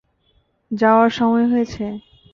যাওয়ার সময় হয়েছে!